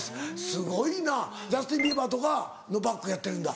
すごいなジャスティン・ビーバーとかのバックやってるんだ。